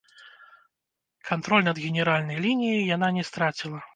Кантроль над генеральнай лініяй яна не страціла.